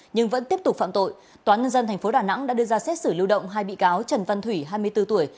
nhưng vẫn tiếp tục phạm tội tòa nhân dân tp đà nẵng đã đưa ra xét xử lưu động hai bị cáo trần văn thủy hai mươi bốn tuổi